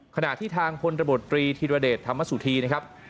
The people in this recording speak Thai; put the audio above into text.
ขณะที่ทางพลตบตรีธีรเดชธรรมสุธีนะครับ